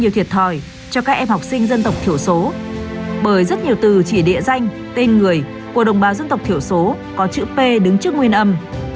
điều thiệt thòi cho các em học sinh dân tộc thiểu số bởi rất nhiều từ chỉ địa danh tên người của đồng bào dân tộc thiểu số có chữ p đứng trước nguyên âm